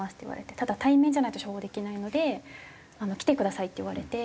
ただ対面じゃないと処方できないので来てくださいって言われて。